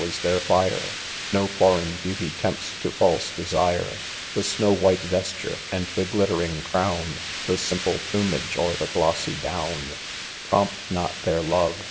is their fire, No foreign beauty tempts to false desire :' The snow white vesture, and the glittering crown, The simple plumage or the glossy down, Prompt not their love.